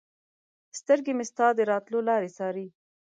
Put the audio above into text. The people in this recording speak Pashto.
سترګې مې ستا د راتلو لارې څاري